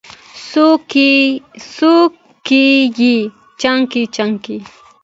څوکې یې څانګې، څانګې